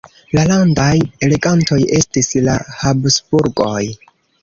La landaj regantoj estis la Habsburgoj.